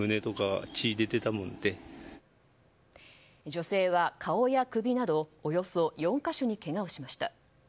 女性は顔や首などおよそ４か所にけがをしました。